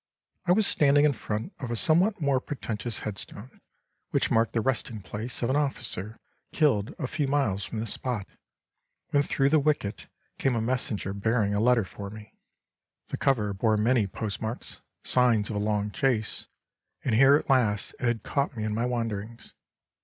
I was standing in front of a somewhat more pretentious headstone, which marked the resting place of an officer killed a few miles from this spot, when, through the wicket, came a messenger bearing a letter for me. The cover bore many post marks, signs of a long chase, and here at last it had caught me in my wanderings.